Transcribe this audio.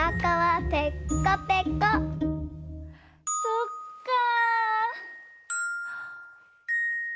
そっか。